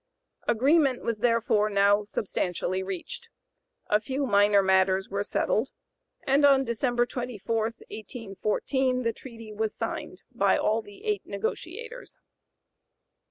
Agreement was therefore now substantially (p. 093) reached; a few minor matters were settled, and on December 24, 1814, the treaty was signed by all the eight negotiators.